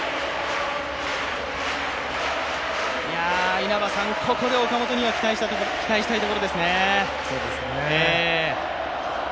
稲葉さん、ここで岡本には期待したいところですね。